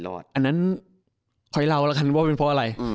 ไปอีกการเล่าให้ว่าเป็นเพราะอะไร